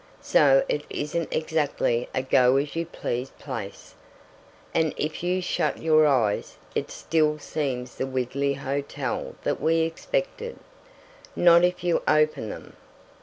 So it isn't exactly a go as you please place, and if you shut your eyes it still seems the wiggly hotel that we expected. Not if you open them.